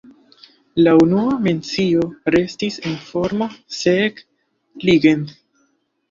La unua mencio restis en formo "Zeg-Ligeth".